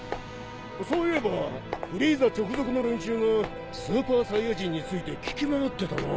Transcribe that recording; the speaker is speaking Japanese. そういえばフリーザ直属の連中が超サイヤ人について聞き回ってたな。